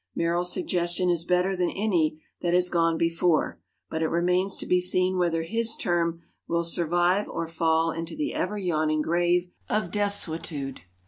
Merrill's suggestion is better than any that has gone before, but it remains to be seen whether his term will survive or fall into the ever yawning grave of desuetude.